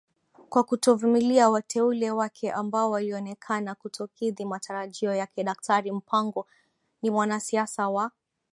kwa kutovumilia wateule wake ambao walionekana kutokidhi matarajio yakeDaktari Mpango ni mwanasiasa wa